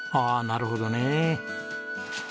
ああなるほどね。